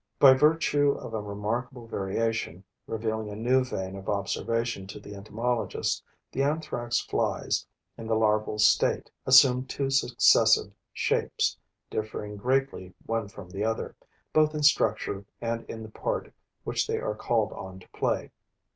By virtue of a remarkable variation, revealing a new vein of observation to the entomologist, the Anthrax flies, in the larval state, assume two successive shapes, differing greatly one from the other, both in structure and in the part which they are called upon to play.